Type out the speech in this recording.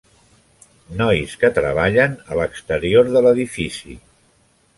Nois que treballen a l'exterior de l'edifici.